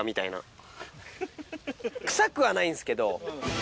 臭くはないんすけど。